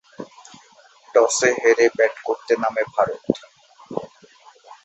টসে হেরে ব্যাট করতে নামে ভারত।